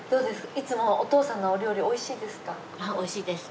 いつもお父さんのお料理おいしいですか？